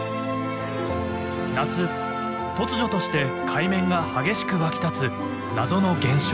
夏突如として海面が激しく沸き立つ謎の現象。